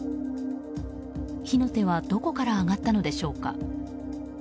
火の手はどこから上がったのでしょうか。